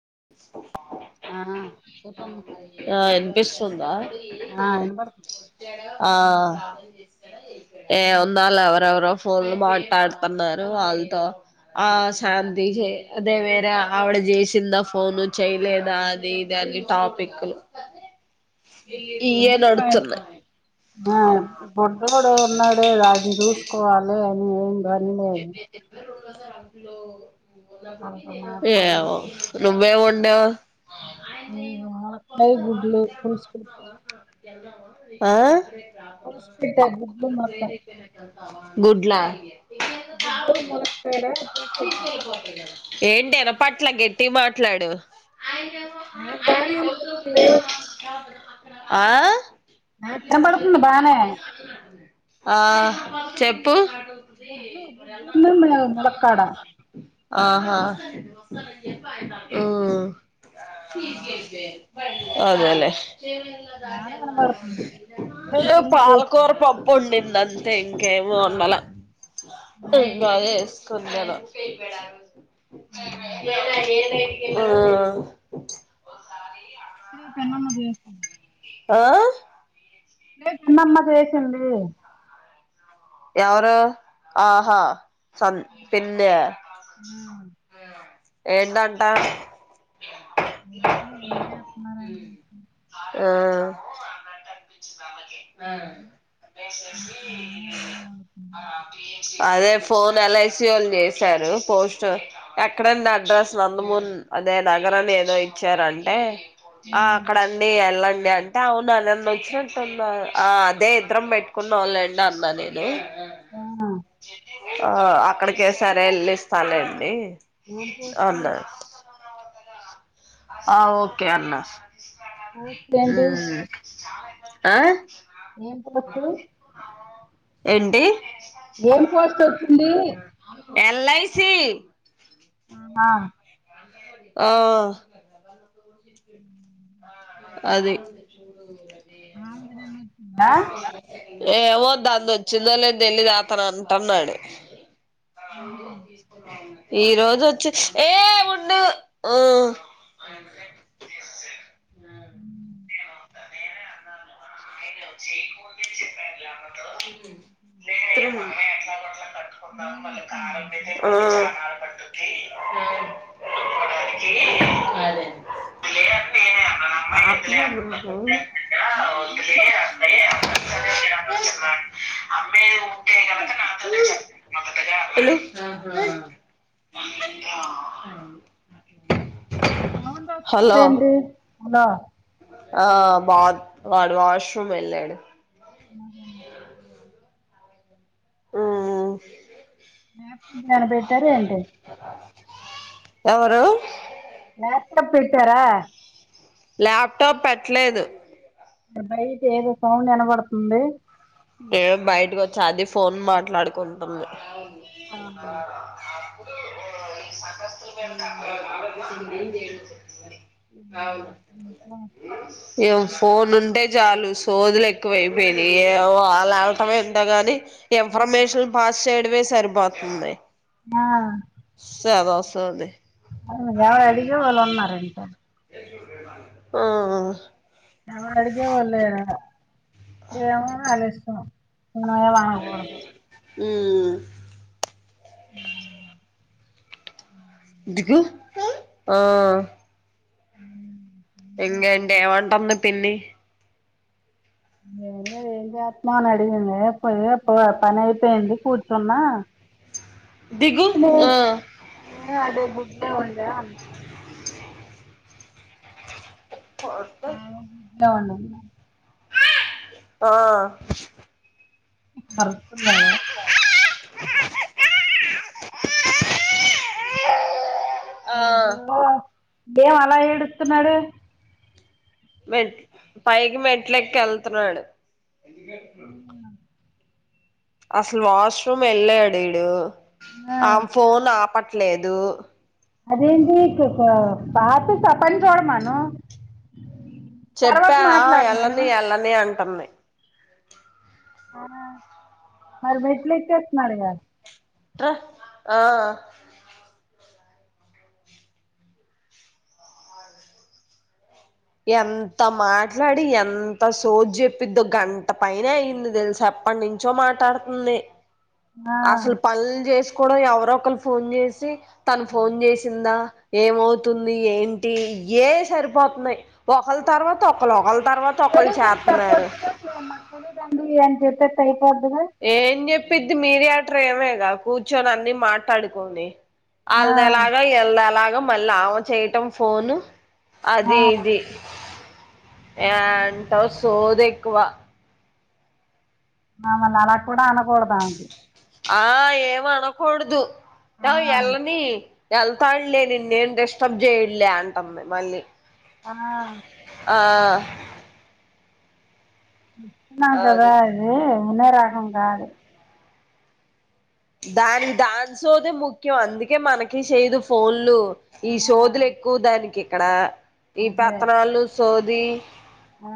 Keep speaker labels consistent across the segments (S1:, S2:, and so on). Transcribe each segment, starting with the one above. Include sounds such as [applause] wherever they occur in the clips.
S1: స
S2: ఆ చెప్పమ్మా
S1: తుందా
S2: ఆ వినపడు
S1: ఆ ఏ ఉందాలో ఎవరెవరో ఫోన్లు మాట్లాడుతన్నారు వాళ్ళతో ఆ శాంతి అదే వేరే ఆవిడ చేసింద ఫోను చెయ్ లేదా అది ఇదా అని టాపిక్ లు
S2: బో బుడోడు ఉన్నాడు అది చూసు కోవాలె అని ఏం పని లేదు
S1: చె కస ఆలో
S2: వాళ్ళతో మాట్లాడడం
S1: ఏవో నువ్వేం వండావు
S2: నీ మునక్కాయ్ గుడ్లు పులుసు పెట్టా
S1: ఆ
S2: పులుసు పెట్టా గుడ్లు ములక్కాయ
S1: గుడ్లా
S2: ద మలారస
S1: పట్ల గట్టిగ మాట్లాడు ఆయ
S2: నాకు బానే
S1: ఆయ
S2: అనిపిస్తుంది
S1: బ ఆ
S2: నాకు వినపడుతుంది బానే
S1: ఆ చెప్పు
S2: గుడ్లు గుడ్లును ములక్కాడ
S1: ఆహా ఉమ్మ్ తీక అదేలేే
S2: బానే వినపడుతుంది ఇప్పుడే పిన్ని చేసింది
S1: పాలకూర పప్పు వండిందన్ అంతే ఇంకేం వొండలా
S2: ఆ
S1: హుం బాజేస్ కుండలో ఎ ఏ ఉమ్మ్
S2: చి పెన్ అన్న తేవాల్సింది.
S1: ఆ
S2: లే చిన్నమ్మ చేసింది.
S1: ఎవరు ఆహా సన్ పిన్న ఆ ఏంటంటా
S2: ఏం చేస్తున్నారని చూస్తున
S1: [inaudible]
S2: ఆహా! ఏం అవుతుంది.
S1: ఆ అదే ఫోన్ ఎల్ఐసి వోల్ చేశారు పోస్ట్ ఎక్కడండి అడ్రస్ నందమూర్ అదే నగరని ఏదో ఇచ్చారంటే ఆ అక్కడండి ఎల్లం డి అంటే అవునా నన్ను వచ్చినట్టున్న ఆ అదే ఇద్దరం పెట్టుకున్నమ్ లెండి అన్న నే ను
S2: ఆ!
S1: ఆ ఆ అక్కడికే సరే ఎళ్లిస్తాలెండి.
S2: ఏం పోస్ట్
S1: ఆ ఓకే అన్న
S2: [unintelligible]
S1: ఆ
S2: ఏం పోస్టు
S1: ఏంటి
S2: ఏం పోస్ట్ వ
S1: [unintelligible] ఎల్ఐసి
S2: ఆహా
S1: ఆ
S2: [inaudible]
S1: అది
S2: బాగా [inaudible]
S1: ఏమో దాన్దొచ్చిందో లేద్ తెలీదు అతను అంటున్నాడు
S2: ఆహా!
S1: [inaudible] ఈ రోజు వచ్చి ఏ ఉండు ఉ
S2: హ
S1: [inaudible]
S2: ఈరోజొచ్చిందండి.
S1: ఆ [unintelligible]
S2: ముయ్
S1: అే [unintelligible] అమ్ క [unintelligible]
S2: న్నా అడి హద [unintelligible]
S1: ఆ బా వాడు వాష్ రూమ్ వెళ్ళాడు
S2: ఆ హ
S1: ఆ
S2: మ [unintelligible] టిఫిన్ ఏమన్నా బెట్టారా ఏంటి
S1: ఎవరు
S2: [unintelligible] నత్ర పెట్టారా
S1: ల్యాప్టాప్ పెట్టలేదు
S2: మరి బయట ఏదో సౌండ్ వినబడుతుంది
S1: నేను బయటకి వచ్చా అది ఫోన్ మాట్లాడుకుంటుంది
S2: ఆహా!
S1: ఆ [unintelligible] ఓ [unintelligible]
S2: అ
S1: నే
S2: ఇంకా
S1: [unintelligible] ఏం ఫోన్ ఉంటే చాలు సోదులేక్కువైపోయినయి వాలావటం ఎందో గాని ఇన్ఫర్మేషన్లు పాస్ చే విడివే సరిపోతుంది
S2: ఆ
S1: అది వస్తుంది
S2: ఎవరు అడిగే వాళ్ళు ఉన్నారంటే
S1: ఆ
S2: ఎవరు అడిగే వాళ్లు లేరట ఏవో కాలస్ం మనే వానపోడద
S1: మ్ ఇదికు ఆ
S2: హ
S1: ఎంగంటే ఏవంటాంది పిన్ని
S2: నే ఏం చేస్తమ అని అడిగింది పోయి పని అయిపోయింది కూర్చున్నా
S1: దిగు ఆ
S2: నేను అదే గుడ్లే ఒండా
S1: ఓకె
S2: దవన్
S1: ఆ
S2: బరుకుతున్నాడా
S1: ఆ
S2: మ ఏం అలా ఏడుత్తున్నాడు
S1: మెట్ పైకి మెట్లకి ఎళ్త్న్నాడు ఎందుకు ఏడుస్తున్నావ్ అసలు వాష్రూమ్ ఎళ్ళాడీడు
S2: ఆ
S1: ఆం ఫోన్ ఆప లేదు
S2: అదేంటి పాత చప్పని చూడమాను
S1: చెప్పా ఎల్ళ్ళని ఎళ్ళని అంటే టంది
S2: ఆ మరి బెట్లేతేసినాడుగా
S1: ట్ర ఆ ఎంత మాట్లాడి ఎంత సోద్ చెప్పింద్దో గంట పయినే అయింది తెలిసా ఎప్పటి నుంచో మాట్లాడుతుంది
S2: ఆ
S1: అసలు పన్లు చేసి కూడా ఎవరోకలు ఫోన్ చేసి తను ఫోన్ చేసిందా ఏమవుతుంది ఏంటి ఇయ్యే సరిపోతున్నయి ఒకళ తర్వాత ఒకళ ఒకళ్ళ తర్వాత ఒకళ్ళ
S2: తెలీదని
S1: చేత్నారు
S2: చెప్పొచ్చుగా అని చెప్పేత్తె
S1: ఏం చెప్పిద్ది మీరే ఆడ ప్రేమేగా కూర్చొని అన్ని మాట్లాడుకొని
S2: ఆ
S1: అల్ద్ ఎలాగా ఈల్దెగో మళ్ళ ఆవ చేయటం ఫోను
S2: ఆ
S1: అదీ ఇది ఏ అంటా సోదెక్కువ
S2: మా మల న కూడా అనకూడద అంది
S1: ఆ ఏం అనకూడదు
S2: ఆ
S1: నవ్ ఏళ్లన్నీ వెళ్తడ్లే నిన్నేం డిస్టర్బ్ చేయడ్లే అంటుంది మళ్ళీ
S2: ఆ
S1: ఆ
S2: చెప్తున్న కదా
S1: అదే
S2: ఇది అనే రకం కాదు
S1: దానికి దాన్ సోదే ముఖ్యం అందుకే మనకి చేయదు ఫోన్లు ఈ
S2: ఆ
S1: సోదులు ఎక్కువ దానికి క్కడ ఈ
S2: అదే
S1: పెత్తనాళ్లూ సోద్ ది
S2: ఆ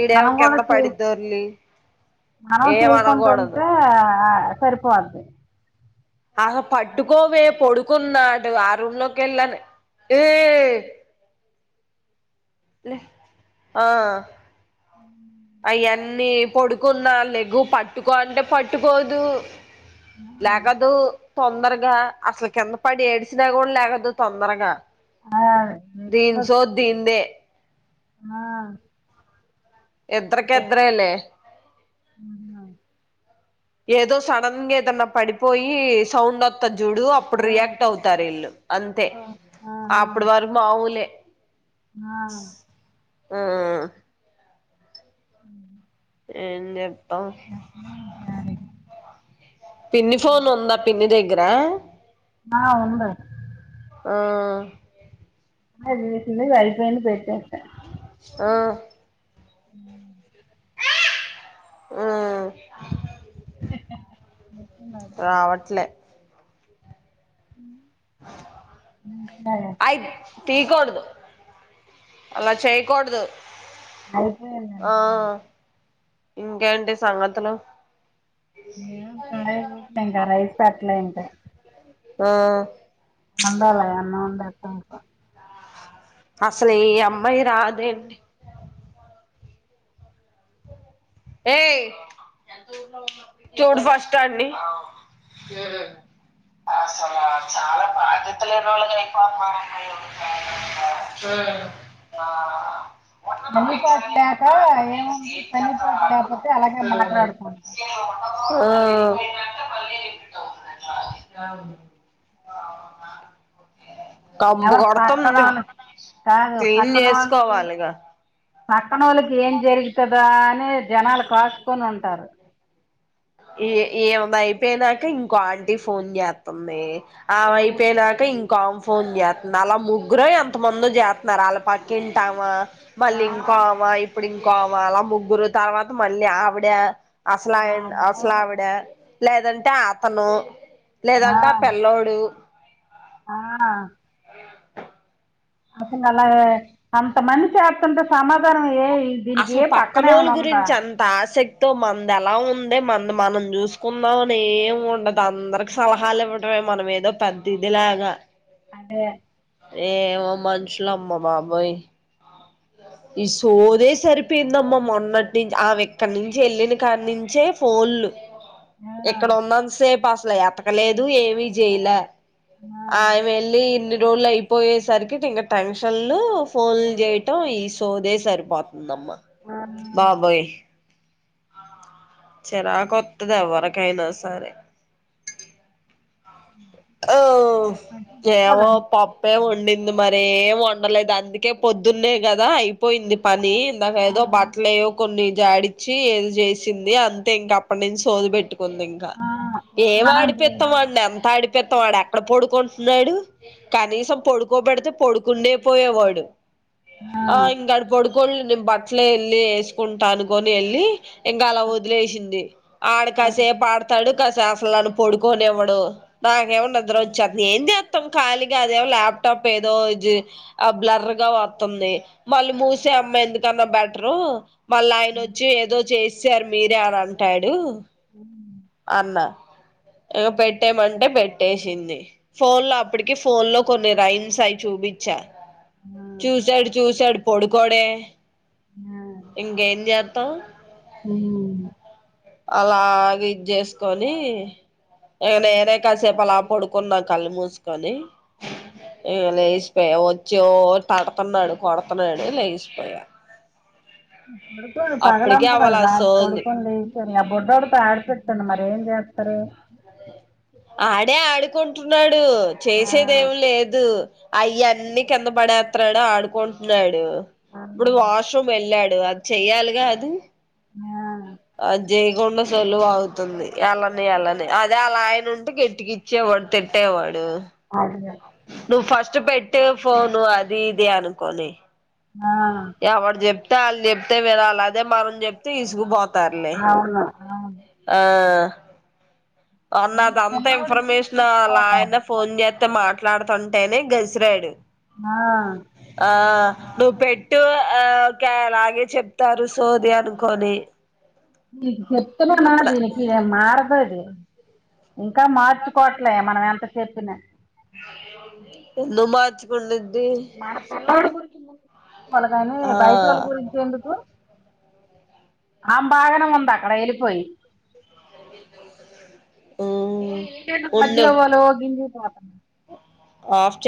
S1: ఈడేమో
S2: మనం కూడా
S1: కింద
S2: చే
S1: పడిద్దొర్లి
S2: మనం
S1: ఏం
S2: చేయకుంట
S1: అనకూడదు
S2: ఉంటే సరిపోద్ది
S1: ఆహా పట్టుకోవే పడుకున్నాడు ఆ రూంలోకి వెళ్ళాను ఏహే లే ఆ అయన్నీ పొడుకున్నా లేగు పట్టుకో అంటే పట్టుకోదు లేగదు తొందరగా అసలు కింద పడి ఏడిసినా కూడా లేగదు తొందరగా
S2: ఆ
S1: దిన్
S2: నేర్చుకోవచ్చు
S1: సోద్ దీనిదే
S2: ఆ
S1: ఇద్దార్క్
S2: ఏ
S1: ఇద్దరేలే
S2: హుహు.
S1: ఏదో సడన్గా ఏదన్నా పడిపోయి సౌండ్ అత్తది చుడు
S2: ఆ
S1: అప్పుడు రియాక్ట్ అవుతారు ఇల్లు అంతే
S2: ఓహ్!
S1: అప్పుడు వరకు మాముూలే
S2: అవును
S1: ఆ
S2: హ్మ్
S1: ఎన్ జేత్తం
S2: దాని
S1: పిన్నీ ఫోన్ ఉందా పిన్ని దగ్ గ్గరా
S2: ఆ ఉండాది
S1: ఆ
S2: ఆ చూడు వైట్దాంట్లో పెట్టేతా
S1: ఆ
S2: హ్
S1: ఉహ్ రావట్లే అయి టికోడు అలా చేయ్యకొడదు
S2: అయిపో
S1: ఇంకేంటి సంగతులు
S2: ఏ [inaudible] రైస్ పట్ల ఎంకా
S1: ఆ
S2: వండాల అన్నాం వండా ఇంకా
S1: అసలు ఈ అమ్మాయి రాదండి ఏయ్ చూడు ఫస్ట్ అండి
S2: పనీపాట్ లేక ఏముంది
S1: ఏం
S2: పని
S1: చేస్తారు వాళ్ళు
S2: లేకపోతే అలాగే మాట్లాడుకుంటా
S1: అ కంబు
S2: ఎవరు
S1: కొడతుంది
S2: పక్కనోళ్ళు కాదు
S1: క్లీన్ చేసుకోవాలిగా
S2: పక్కనోళ్ళు ఏం జరుగుతుదా అని జనాలు కాసుకొని ఉంటారు
S1: ఏ ఏమైదఅయిపోయినాక ఇంకో ఆంటీ ఫోన్ చేత్తంది ఆవ
S2: ఆ
S1: అయిపోయినాకా ఇ ఆమ్ ఫోన్ చేతంది అలా ముగ్గుర ఎంత మందో చేస్తున్నారు వాళ్ళ పక్కింటామా మళ్లి ఇంకో ఆవే ఇంకో అవే అలా ముగ్గురు తర్వాత మళ్ళీ ఆవిడ అసలాండ్ అస
S2: ఆ
S1: లావిడ లేదంటే అతను లేదంటా ఆ పెల్లోడు
S2: ఆ ఆ నల్లగె సం మనిషి చత్తుంటే సమాధానం ఏ దీనికి
S1: అసలు
S2: ఏ పక్కన
S1: పక్కనోళ్లు
S2: ఏమైనా ఉందా
S1: గురించి అంత ఆసక్ కోమంది ఎలా ఉంది మంది మనం చూసుకుందాం అని ఏం ఉండదు అందరికి సలహాలు ఇవ్వడమే మనమే ఎ పద్ దిడ్డ లాగా
S2: అంటే
S1: ఏమో మనుషుల అమ్మ బాబోయి ఈ
S2: అదే
S1: సోదే సర్ పో పిందమ్మ మొన్నటి నుంచి ఆవి ఇక్కనుంచి వెళ్ళిన కాడి నుంచే ఫోన్లు
S2: ఆ,
S1: ఇక్కడ ఉన్నన్ సేపు పాస్ సలా ఎత కలేదు ఏమిీ చేయల
S2: ఆ,
S1: అయ్మెల్లి ఇన్ని రోడ్లు అయిపోయేసరికి ఇంకా టెన్షన్లు ఫోన్లు చేయటమ్ ఈస్ సోదే సరి పోత్ దమ్మా
S2: ఆ,
S1: బాబోయ్ చలా కొత్తది ఎవరికైనా సరే ఓ ఏవో
S2: పట్టించుకోదంతే.
S1: పప్పేమో వడింది మరి డా ఏం వండలేదు అందుకే పొద్దున్నే కదా అ పోయింది పని ఇందాక ఏదో బట్టలేయ్యో కొన్ని జాడించి ఏల్ చేసింది అంతే ఇంక అప్పటి నుంచి సోది పెెట్టుకు కుంది ఇంకా
S2: ఆ,
S1: ఏమ్
S2: స్నానం
S1: ఆడిపిత్తాం
S2: చేయదు
S1: వాడ్ని ఎంత ఆడి ప్ తో వాడు ఎక్కడ పొడుకుంటున్నాడు కనీసం పొడుకోబేడితే పొడుకుండే పోయేవాడు ఆ ఇంగ ఆడు పడుకొనిలే నేన్ బట్టలే వెళ్లి వేసుకుంటా అనుకని వెళ్ళి ఇంకా అలా వదిలేసింది ఆడ కాసేపు ఆడతాడు కాస అసలు నన్ను పొడుకొనివ్వడు నాకేమో నిద్ర వచ్చేతుంది. ఏంచేతం ఖాళీగా అదేమో ల్యాప్టాప్ ఏదో బ్లర్గా వతుంది. మళ్ళీ మూసెయి అమ్మ ఎందుకన్నా బెటరు. మళ్ళా ఆయన వచ్చి ఏదో చేసి ఇచ్చారు మీరే అని అంటాడు అన్నా ఇక పెట్టేమంటే పెట్టేసింది ఫోన్ లో అప్పటికి ఫోన్ లో కొన్ని రైన్స్ అయి చూపించా
S2: ఆ,
S1: చూసాడు చూసడు పొడుకోడే
S2: ఆ,
S1: త్త
S2: ఉమ్
S1: అలాగే ఇది చేసుకొని ఎగ నేనే కాసేప్పలా పడు కున్నా కళ్ళు మూసుకొని ఇక లేసిపోయా వచ్చి ఓ తడుతున్నాడు కొడుతున్నాడు లేసిపోయా
S2: పడుకో
S1: అప్పటికే
S2: పగలంత మరి
S1: అవ్వాల
S2: రా
S1: సోల్ది
S2: కొడుకుని లేచి ఆ బొడ్డడితో ఆడిపిచండి మరి ఏం చేస్ టార్
S1: ఆడే ఆడుకుంటున్నాడు డు
S2: ఆ,
S1: చేసేదేం లేదు అయ్య అన్ని కింద పడే త ప్రణవ్ ఆడుకుంటున్నాడు
S2: ఆ,
S1: ఇప్పుడు వాష్ రూమ్ ఎల్లాడు అది చెయ్యాలిగా అది
S2: ఆ,
S1: అది చేయకుండా సొల్లు వాగుతుంది. ఎళ్ళనీ ఎల్లనీ అదే వాల్ల ఆయన ఉంటే గట్టిగ ఇచ్చేవాడు తిట్టేవాడు.
S2: అే [inaudible]
S1: [unintelligible] నువ్వు ఫస్ట్ పెట్టే ఫోను అది ఇది అనుకోని
S2: ఆ,
S1: ఎవడు జప్తే ఆళ్లు చెప్తే వినాల అదే మనం చెప్తే ఇసుగుపోద్ది
S2: అవును ఆ
S1: ఆ
S2: ముందు
S1: ఉన్నదంతా
S2: పిల్లోడికి
S1: ఇన్ఫర్మేషన్ వాళ్ళ
S2: చూసుకోవాలి
S1: ఆయన ఫోన్ చేస్తే మా మాట్లాడుతుంటేనే గసిరాడు
S2: ఆ,
S1: ఆ ను పెట్టు ఆ ఓకే అలాగే చెప్తారు సోది అనుకోని
S2: హ్ చెప్తున్నానా
S1: అప్పుడ
S2: దీనికి మారదు ఇంకా మార్చుకోవట్లే మనం ఎంత చెప్పిన
S1: ఎందు మార్చుకుండుద్ది
S2: మన పిల్లోడి గురించి ను వాళ్ళగానే
S1: ఆ
S2: బయటోళ్ళ గురించేందుకు ఆమె బాగానే ఉంది అక్కడ ఏలిపోయి ఏ
S1: మ్
S2: ఇ
S1: ఉండు
S2: మధరవ్వలో హంది [unintelligible] [inaudible]
S1: ఆఫ్